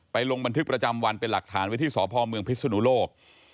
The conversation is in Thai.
ไปลงบันทึกประจำวันเป็นหลักฐานวิธีสอบภอมเมืองพิศนุโลก